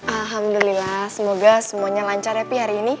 alhamdulillah semoga semuanya lancar ya pi hari ini